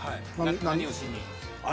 何をしに？